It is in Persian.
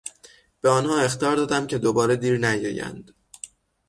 به آنها اخطار دادم که دوباره دیر نیایند.